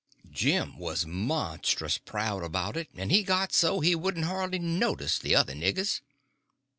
Jim was monstrous proud about it, and he got so he wouldn't hardly notice the other niggers.